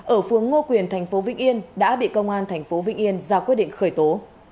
ở phường ngô quyền thành phố vĩnh yên đã bị công an thành phố vĩnh yên ra quyết định khởi tố